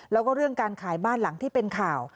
แล้วก็เรื่องการขายบ้านหลังที่เป็นข่าว